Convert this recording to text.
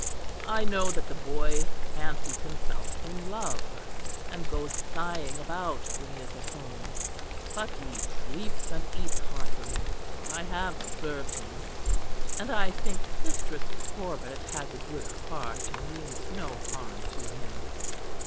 I know that the boy fancies himself in love; and goes sighing about when he is at home; but he sleeps and eats heartily, for I have observed him; and I think Mistress Corbet has a good heart and means no harm to him.